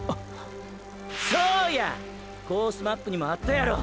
そうや！！コースマップにもあったやろ。